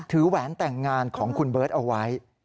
แหวนแต่งงานของคุณเบิร์ตเอาไว้